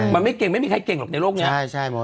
มันไม่เก่งไม่มีใครเก่งหรอกในโลกนี้